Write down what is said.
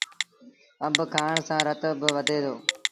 آݩب کآڻ سآݩ رت با وڌي دو۔